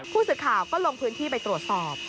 ผู้สื่อข่าวก็ลงพื้นที่ไปตรวจสอบ